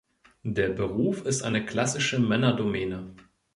Der Beruf ist eine klassische Männerdomäne.